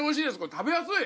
食べやすい？